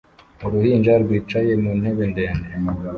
Uruhinja rwicaye mu ntebe ndende